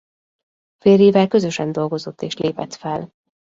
Férjével közösen dolgozott és lépett fel.